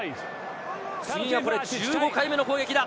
次が１５回目の攻撃だ。